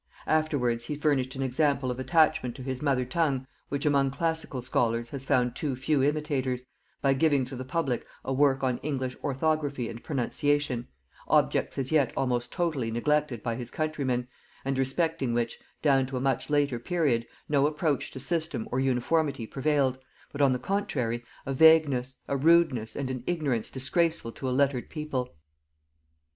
Afterwards he furnished an example of attachment to his mother tongue which among classical scholars has found too few imitators, by giving to the public a work on English orthography and pronunciation; objects as yet almost totally neglected by his countrymen, and respecting which, down to a much later period, no approach to system or uniformity prevailed, but, on the contrary, a vagueness, a rudeness and an ignorance disgraceful to a lettered people.